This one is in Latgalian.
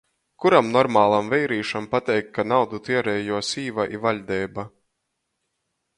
Kuram normalam veirīšam pateik, kai naudu tierej juo sīva i vaļdeiba.